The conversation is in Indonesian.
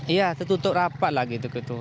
ya tertutup rapat lagi